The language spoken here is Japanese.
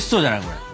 これ。